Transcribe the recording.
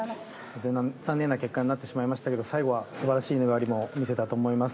残念な結果になってしまいましたが最後は素晴らしい粘りも見せたと思います。